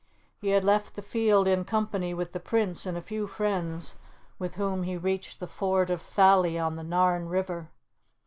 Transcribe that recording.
He had left the field in company with the Prince and a few friends, with whom he reached the Ford of Falie on the Nairn River.